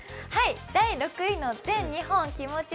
第６位の全日本きもち